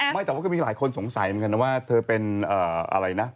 ไม่แต่ว่าก็มีหลายคนสงสัยเหมือนกันนะว่าเธอเป็นอะไรนะ